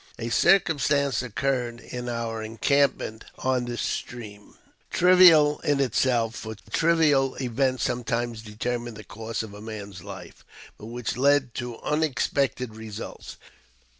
A circumstance occurred in our encampment on this stream, trivial in itself (for trivial events sometimes determine the course of a man's life), but which led to unexpected results.